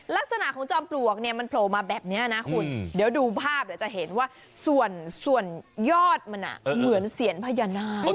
ลักษณะของจอมปลวกเนี่ยมันโผล่มาแบบนี้นะคุณเดี๋ยวดูภาพเดี๋ยวจะเห็นว่าส่วนยอดมันเหมือนเสียญพญานาค